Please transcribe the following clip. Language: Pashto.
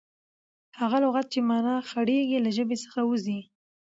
هغه لغت، چي مانا ئې خړېږي، له ژبي څخه وځي.